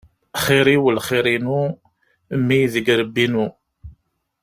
Xir-iw, lxir-inu mmi deg yirebbi-inu.